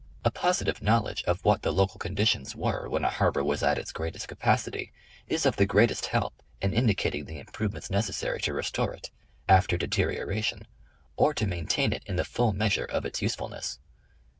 A positive knowledge of what the local conditions were when a harbor was at its greatest capacity, is of the greatest help in indicating the improvements necessary to restore it, after de terioration, or to maintain it in the full measure of its usefulness.